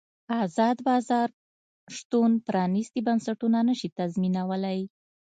ازاد بازار شتون پرانیستي بنسټونه نه شي تضمینولی.